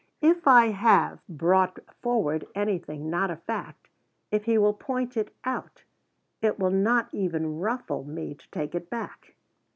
If I have brought forward anything not a fact, if he will point it out, it will not even ruffle me to take it back.